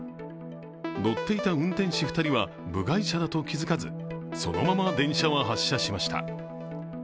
乗っていた運転士２人は部外者だと気付かず、そのまま電車は発車しました。